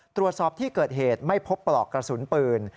ตรวจสอบที่เกิดเหตุไม่พบปลอกกระสุนปืน